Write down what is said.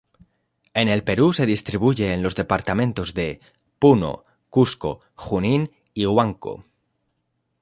En el Perú se distribuye en los departamentos de: Puno, Cusco, Junín y Huánuco.